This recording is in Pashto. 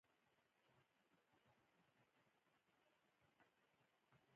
خو خدای پاک پوهېږي چې بالاخره د مینې په جال کې را ګیر شوم.